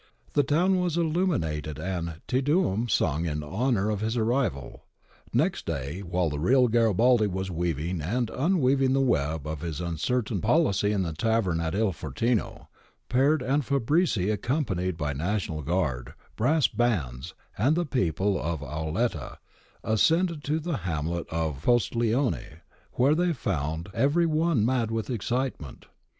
The town was illuminated and Te Deum sung in honour of his arrival. Next day, while the real Garibaldi was weaving and un weaving the web of his uncertain policy in the tavern at II Fortino, Peard and Fabrizi, accompanied by National Guard, brass bands, and people of Auletta, ascended to the hamlet of Postiglione, where they found every one 'mad with excitement.